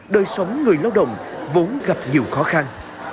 đời sống người lao động vốn gặp nhiều khó khăn